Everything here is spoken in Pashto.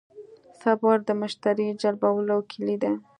صبر د مشتری جلبولو کیلي ده.